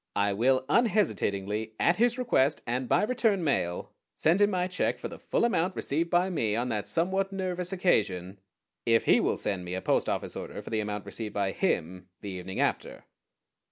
I will unhesitatingly, at his request, and by return mail, send him my check for the full amount received by me on that somewhat nervous occasion if he will send me a postoffice order for the amount received by him the evening after.